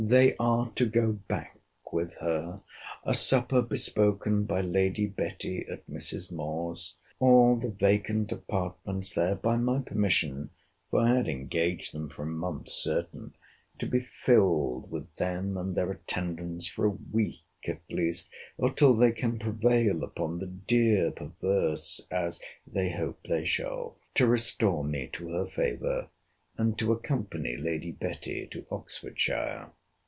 They are to go back with her. A supper bespoken by Lady Betty at Mrs. Moore's. All the vacant apartments there, by my permission, (for I had engaged them for a month certain,) to be filled with them and their attendants, for a week at least, or till they can prevail upon the dear perverse, as they hope they shall, to restore me to her favour, and to accompany Lady Betty to Oxfordshire.